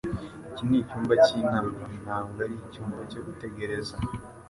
Iki nicyumba cyinama, ntabwo ari icyumba cyo gutegereza.